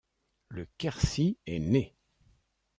Le Quercy est né.